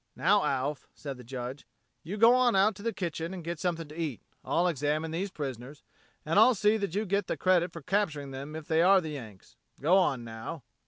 "Now, Alf," said the Judge, "you go on out to the kitchen and get something to eat. I'll examine these prisoners and I'll see that you get the credit for capturing them if they are the Yanks. Go on, now."